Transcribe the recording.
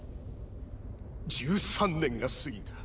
１３年が過ぎた